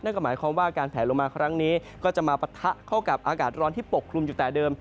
ก็หมายความว่าการแผลลงมาครั้งนี้ก็จะมาปะทะเข้ากับอากาศร้อนที่ปกคลุมอยู่แต่เดิม